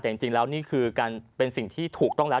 แต่จริงแล้วนี่คือการเป็นสิ่งที่ถูกต้องแล้ว